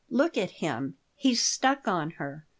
"Look at him! He's stuck on her.